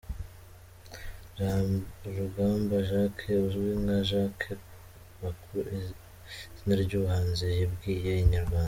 Rugamba Jaques uzwi nka Jack B ku izina ry’ubuhanzi yabwiye Inyarwanda.